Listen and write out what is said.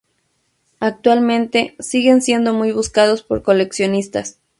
Actualmente siguen siendo muy buscados por coleccionistas.